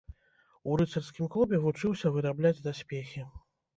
У рыцарскім клубе вучыўся вырабляць даспехі.